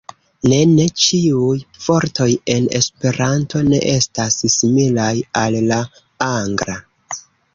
Ne, ne, ĉiuj vortoj en Esperanto ne estas similaj al la Angla.